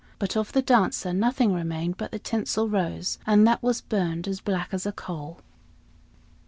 But of the Dancer nothing remained but the tinsel rose, and that was burned as black as a coal.